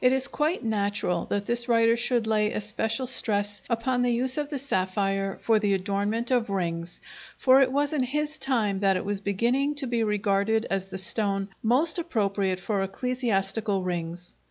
It is quite natural that this writer should lay especial stress upon the use of the sapphire for the adornment of rings, for it was in his time that it was beginning to be regarded as the stone most appropriate for ecclesiastical rings.